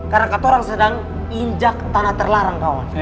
karena kata orang sedang injak tanah terlarang kawan